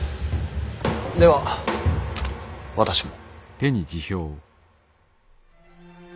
では私も。